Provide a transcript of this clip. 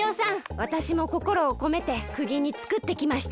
わたしもこころをこめてくぎ煮つくってきました。